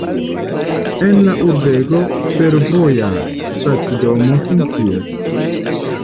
En la urbego fervoja stacidomo funkcias.